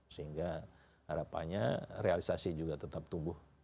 sehingga harapannya realisasi juga tetap tumbuh